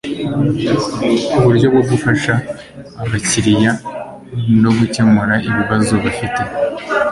uburyo bwo gufasha abakiriya no gukemura ibibazo bafite